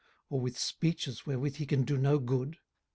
or with speeches wherewith he can do no good?